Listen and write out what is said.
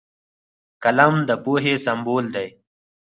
قلم د پوهې سمبول دی